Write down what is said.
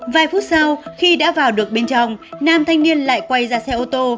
vài phút sau khi đã vào được bên trong nam thanh niên lại quay ra xe ô tô